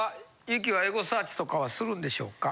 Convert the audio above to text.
ゆきはエゴサーチとかはするんでしょうか？